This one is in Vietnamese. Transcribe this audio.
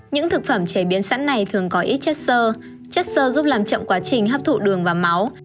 những thực phẩm chế biến sẵn này thường có ít chất sơ chất sơ giúp làm chậm quá trình hấp thụ đường và máu